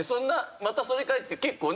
「またそれかい」って結構ね。